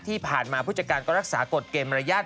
ที่ผ่านมาผู้จัดการก็รักษากฎเกมมารยาท